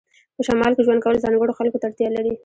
په شمال کې ژوند کول ځانګړو خلکو ته اړتیا لري